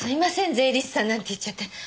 税理士さんなんて言っちゃって。